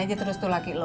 terus terus tuh laki lo